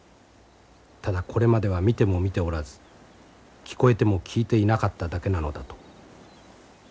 ただこれまでは見ても見ておらず聞こえても聞いていなかっただけなのだと。